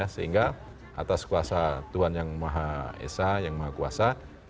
sehingga atas kuasa tuhan yang maha esa yang maha kuasa